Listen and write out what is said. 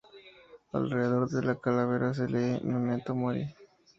Alrededor de la calavera se lee, "Memento mori".